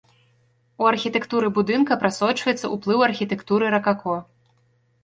У архітэктуры будынка прасочваецца ўплыў архітэктуры ракако.